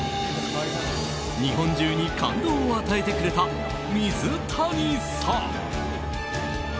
日本中に感動を与えてくれた水谷さん。